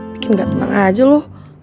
bikin ga tenang aja lo